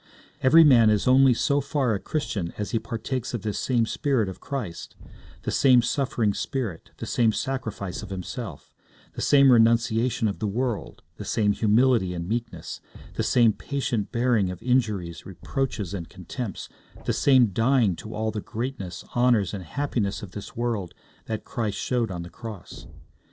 Every man is only so far a Christian as he partakes of this same spirit of Christ the same suffering spirit, the same sacrifice of himself, the same renunciation of the world, the same humility and meekness, the same patient bearing of injuries, reproaches, and contempts, the same dying to all the greatness, honours, and happiness of this world that Christ showed on the cross.